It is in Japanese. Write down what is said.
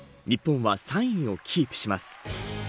日本は３位をキープします。